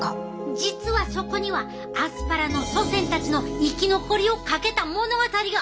実はそこにはアスパラの祖先たちの生き残りをかけた物語があってん。